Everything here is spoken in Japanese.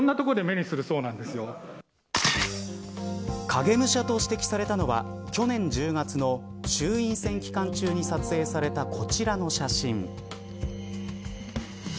影武者と指摘されたのは去年１０月の衆院選期間中に撮影されたこちらの写真。